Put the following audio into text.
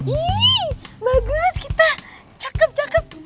wih bagus kita cakep cakep